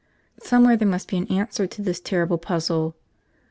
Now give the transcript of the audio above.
Somewhere there must be an answer to this terrible puzzle.